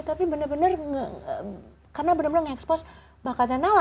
tapi bener bener karena bener bener nge expose bakatnya nala